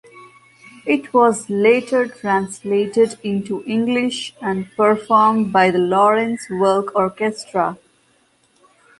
It was later translated into English and performed by the Lawrence Welk orchestra.